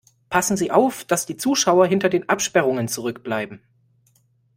Passen Sie auf, dass die Zuschauer hinter den Absperrungen zurückbleiben.